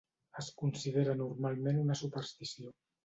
Es considera normalment una superstició.